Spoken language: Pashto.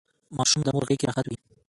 ماشوم د مور غیږکې راحت وي.